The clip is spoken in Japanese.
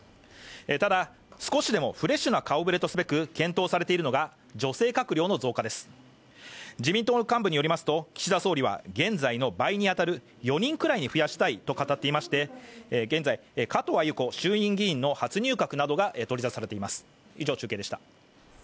ただ、少しでもフレッシュな顔ぶれとすべく検討されているのが女性閣僚の増加です、自民党の幹部によりますと、岸田総理は現在の倍に当たる４人くらいに増やしたいと語っていまして、現在、加藤鮎子衆院議員の初入閣などが取り沙汰されています。